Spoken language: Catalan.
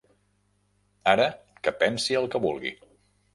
Ara, que pensi el que vulgui.